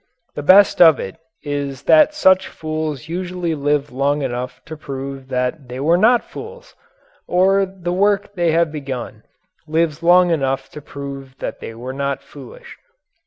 The best of it is that such fools usually live long enough to prove that they were not fools or the work they have begun lives long enough to prove they were not foolish.